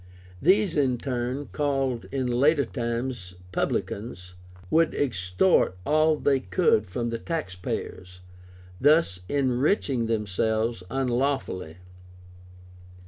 These, in turn (called in later times Publicans), would extort all they could from the tax payers, thus enriching themselves unlawfully.